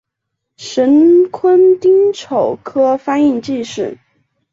禄坤丁丑科翻译进士。